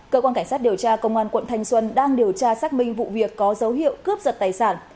cơ quan cảnh sát điều tra công an quận thanh xuân đang điều tra xác minh vụ việc có dấu hiệu cướp giật tài sản